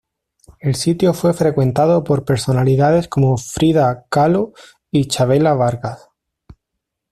El sitio fue frecuentado por personalidades como Frida Kahlo y Chavela Vargas.